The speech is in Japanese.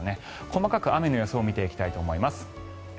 細かく雨の予想を見ていきたいと思います。